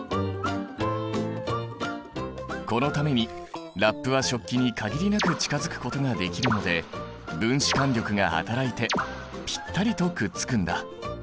このためにラップは食器に限りなく近づくことができるので分子間力がはたらいてぴったりとくっつくんだ。